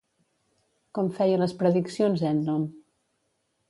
Com feia les prediccions Ènnom?